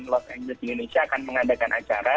los angeles di indonesia akan mengadakan acara